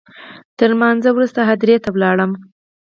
تر لمانځه وروسته هدیرې ته ولاړم.